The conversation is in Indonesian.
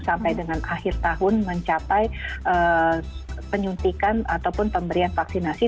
sampai dengan akhir tahun mencapai penyuntikan ataupun pemberian vaksinasi